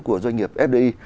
của doanh nghiệp fdi